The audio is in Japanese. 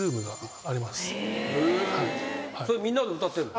みんなで歌ってるの？